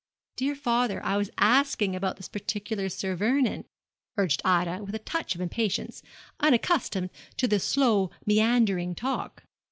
'Dear father, I was asking about this particular Sir Vernon,' urged Ida, with a touch of impatience, unaccustomed to this slow meandering talk.